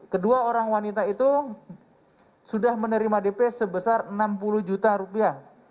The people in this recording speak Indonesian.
kedua orang wanita itu sudah menerima dp sebesar enam puluh juta rupiah